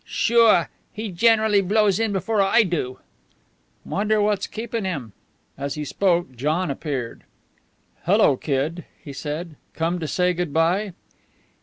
"Sure! He generally blows in before I do." "Wonder what's keepin' him?" As he spoke, John appeared. "Hello, Kid," he said. "Come to say good by?"